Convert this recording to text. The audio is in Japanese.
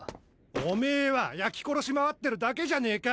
おめは焼き殺し回ってるだけじゃねェか。